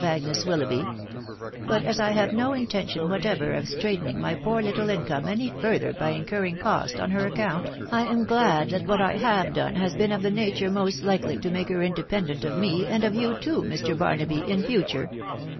Agnea Willoughby ; but as I have no intention1 whatever of straitening my poor little income *riy further byiintairringfcost onherracconrtt, I <am glad that what I *mw do&er&as sheen of the anature rmoat likely to make her tndependent'of me and of youitoo, Mr.^Bar aaby, intf dtnre.